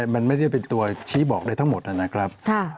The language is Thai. มันไม่ได้เป็นตัวชี้บอกได้ทั้งหมดนะครับ